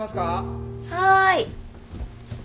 はい。